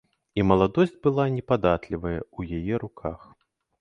І маладосць была непадатлівая ў яе руках.